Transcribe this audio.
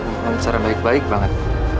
minta kamu secara baik baik banget